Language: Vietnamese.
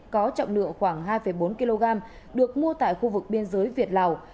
có trọng lượng khoảng hai bốn kg được mua tại khu vực biên giới việt lào